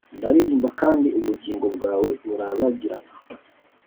Ndaririmba kandi Ubugingo bwawe burabagirana